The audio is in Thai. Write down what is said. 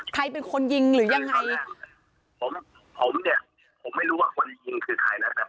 ใครเป็นคนยิงหรือยังไงผมผมเนี่ยผมไม่รู้ว่าคนยิงคือใครนะครับ